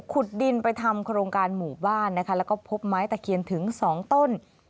ขุดดินไปทำโครงการหมู่บ้านนะคะแล้วก็พบไม้ตะเคียนถึง๒ต้น